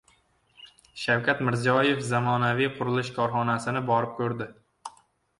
Shavkat Mirziyoyev zamonaviy qurilish korxonasini borib ko‘rdi